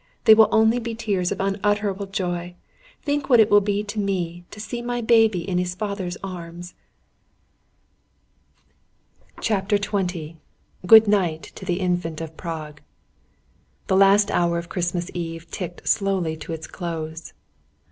They will only be tears of unutterable joy. Think what it will be to me, to see my baby in his father's arms!" CHAPTER XX GOOD NIGHT TO THE INFANT OF PRAGUE The last hour of Christmas Eve ticked slowly to its close.